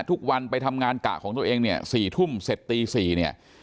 ทุกวันไปทำงานกะของตัวเองเนี่ย๔ทุ่มเสร็จตี๔เนี่ย